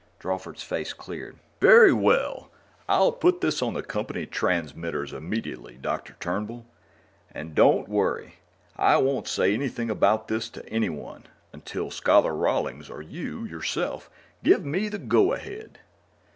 Drawford's face cleared. "Very well. I'll put this on the company transmitters immediately, Dr. Turnbull. And don't worry, I won't say anything about this to anyone until Scholar Rawlings or you, yourself, give me the go ahead."